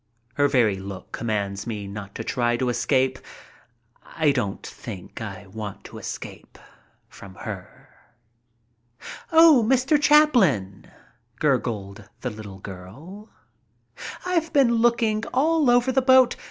Her very look commands me not to try to escape. I don't think I want to escape from her. "Oh, Mr. Chaplin," gurgled the little girl. "I've been looking for you all over the boat.